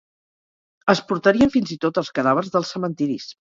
Es portarien fins i tot els cadàvers dels cementiris.